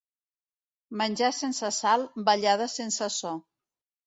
Menjar sense sal, ballada sense so.